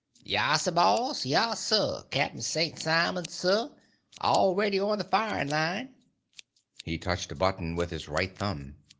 "Yassuh, boss! Yassuh, Cap'n Sain' Simon, suh! All ready on the firin' line!" He touched a button with his right thumb.